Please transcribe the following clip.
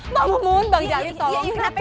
pak mumun bang jari tolongin dong